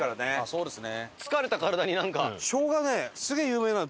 そうですね。